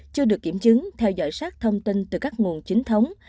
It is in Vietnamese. chưa được kiểm chứng theo dõi sát thông tin từ các nguồn chính thống